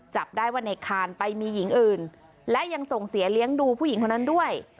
จับได้ว่าในคานไปมีหญิงอื่นและยังส่งเสียเลี้ยงดูผู้หญิงคนนั้นด้วย